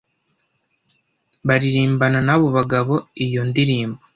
baririmbana n’abo bagabo iyo ndirimbo